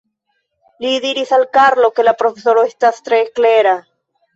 Li diris al Karlo, ke la profesoro estas tre klera.